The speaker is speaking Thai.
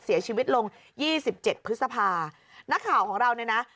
เสียชีวิตลง๒๗พฤษภานักข่าวของเราเนี่ยนะ